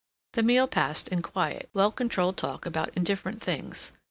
The meal passed in quiet, well controlled talk about indifferent things.